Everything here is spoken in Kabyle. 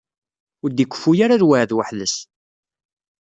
Ur d-ikeffu ara lweɛd weḥd-s.